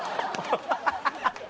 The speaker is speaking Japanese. ハハハハ。